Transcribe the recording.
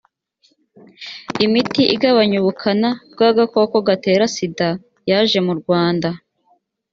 imiti igabanya ubukana bw’agakoko gatera sida yaje mu rwanda